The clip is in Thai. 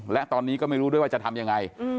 และตอนนี้ก็ไม่รู้ด้วยว่าจะทำยังไง